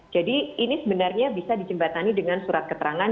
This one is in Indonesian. jadi ini sebenarnya bisa dicembatani dengan surat keterangan